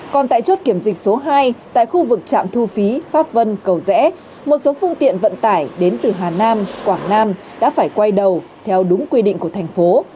còn tại chốt kiểm dịch số hai tại khu vực trạm thu phí pháp vân cầu rẽ một số phương tiện vận tải đến từ hà nam quảng nam đã phải quay đầu theo đúng quy định của thành phố